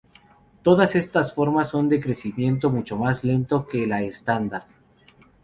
Todas estas formas son de crecimiento mucho más lento que la estándar.